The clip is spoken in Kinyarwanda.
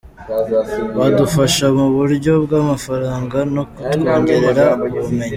Badufasha mu buryo bw’amafaranga no kutwongerera ubumenyi”.